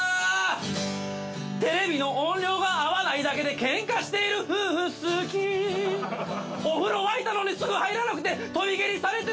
「テレビの音量が合わないだけでケンカしている夫婦好き」「お風呂沸いたのにすぐ入らなくて跳び蹴りされてる」